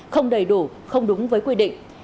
không đầy đủ không đúng với quy định